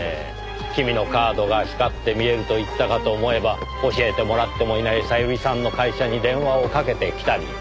君のカードが光って見えると言ったかと思えば教えてもらってもいない小百合さんの会社に電話をかけてきたり。